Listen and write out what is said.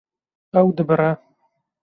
Ew dibire.